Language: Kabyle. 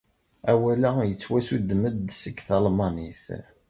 Awal-a yettwassuddem-d seg talmanit.